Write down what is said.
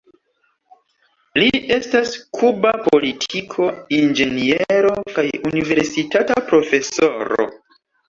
Li estas kuba politiko, inĝeniero kaj universitata profesoro.